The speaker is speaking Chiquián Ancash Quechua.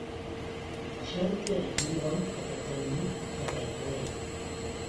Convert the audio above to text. Shanti ayllunwan papatam allaykaayan.